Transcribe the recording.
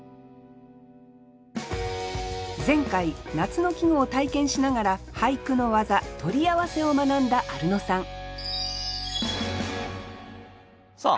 前回夏の季語を体験しながら俳句の技「取り合わせ」を学んだアルノさんさあ